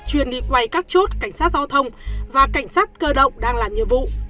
chuyên đi quay các chốt cảnh sát giao thông và cảnh sát cơ động đang làm nhiệm vụ